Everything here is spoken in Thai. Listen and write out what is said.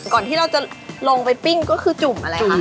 ก่อนที่เราจะลงไปปิ้งก็คือจุ่มอะไรคะ